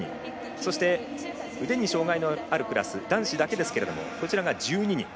そして腕に障がいのあるクラス男子だけですがこちらが１２人。